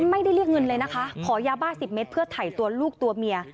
ไม่ได้เรียกเงินเลยนะคะขอยาบ้า๑๐เมตรเพื่อถ่ายตัวลูกตัวเมีย